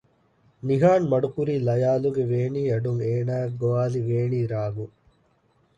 ނިހާން މަޑުކުރީ ލަޔާލުގެ ވޭނީ އަޑުން އޭނައަށް ގޮވާލި ވޭނީ ރާގުން